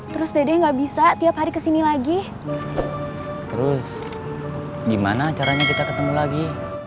terus dede gak bisa tiap hari kesini lagi terus gimana caranya kita ketemu lagi